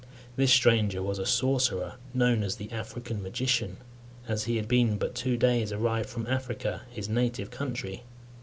This stranger was a sorcerer, known as the African magician, as he had been but two days arrived from Africa, his native country.